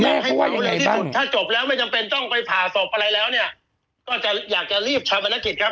แล้วไม่จำเป็นต้องไปผ่าศพอะไรแล้วเนี้ยก็จะอยากจะรีบชาวบัณฑิตครับ